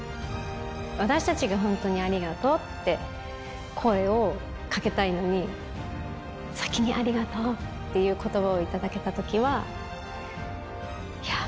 私たちが本当にありがとうって声をかけたいのに、先にありがとうっていうことばを頂けたときは、いやー